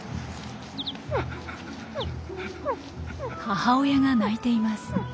母親が鳴いています。